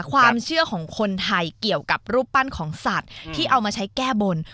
ความเชื่อของคนไทยเกี่ยวกับรูปปั้นของสัตว์ที่เอามาใช้แก้บน